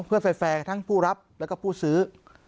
เพื่อแฟร์ทั้งผู้รับแล้วก็ผู้ซื้อ